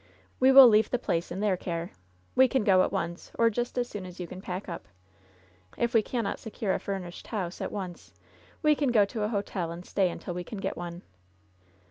We will leave the place in their care. We can go at once, or just as soon as you can pack up. If we cannot secure a furnished house at once we can go to a hotel and stay imtil we can get one."